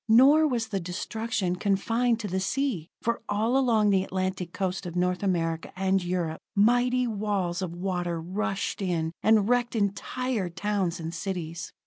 Nor was the destruction confined to the sea, for all along the Atlantic coast of North America and Europe, mighty walls of water rushed in, and wrecked entire towns and cities.